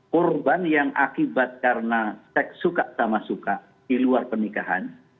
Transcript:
korban yang akibat karena seks suka sama suka di luar pernikahan